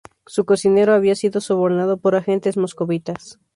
Su cocinero había sido sobornado por agentes moscovitas.